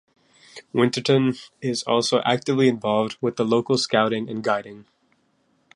Winterton is also actively involved with local Scouting and Guiding.